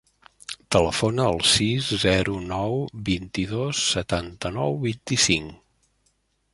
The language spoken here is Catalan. Telefona al sis, zero, nou, vint-i-dos, setanta-nou, vint-i-cinc.